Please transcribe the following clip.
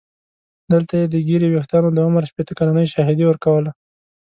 دلته یې د ږیرې ویښتانو د عمر شپېته کلنۍ شاهدي ورکوله.